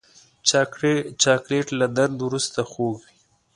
چاکلېټ له درد وروسته خوږ وي.